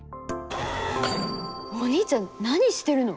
お兄ちゃん何してるの？